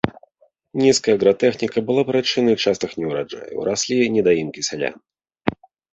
Нізкая агратэхніка была прычынай частых неўраджаяў, раслі нядоімкі сялян.